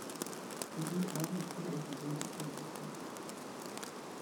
In ihren Augen ist Phil ein verwöhntes Einzelkind.